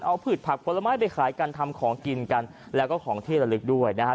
เอาผืดผักผลไม้ไปขายกันทำของกินกันแล้วก็ของที่ละลึกด้วยนะฮะ